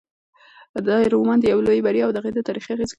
دا رومان د یوې لویې بریا او د هغې د تاریخي اغېزو کیسه ده.